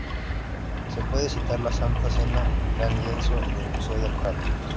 Se puede citar "La Santa Cena", gran lienzo en el Museo del Prado.